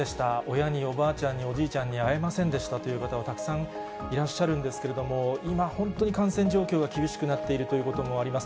親に、おばあちゃんに、おじいちゃんに会えませんでしたという方はたくさんいらっしゃるんですけれども、今、本当に感染状況が厳しくなっているということもあります。